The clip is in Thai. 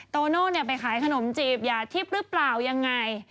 โตโน่ไปขายขนมจีบอย่าทิพย์หรือเปล่ายังไง